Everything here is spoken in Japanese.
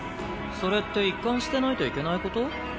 それって一貫してないといけないこと？